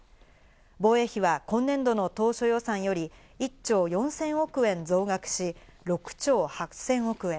防衛費は今年度の当初予算より１兆４０００億円増額し、６兆８０００億円。